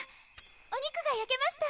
お肉が焼けました。